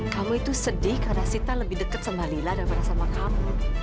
kamu itu sedih karena sita lebih dekat sama lila daripada sama kamu